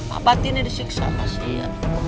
pak bati ini disiksa masih ya